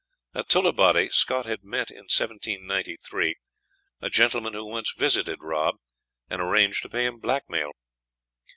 At Tullibody Scott had met, in 1793, a gentleman who once visited Rob, and arranged to pay him blackmail.